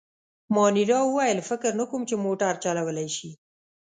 مانیرا وویل: فکر نه کوم، چي موټر چلولای شي.